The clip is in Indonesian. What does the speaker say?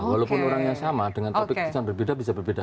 walaupun orang yang sama dengan topik tulisannya berbeda bisa berbeda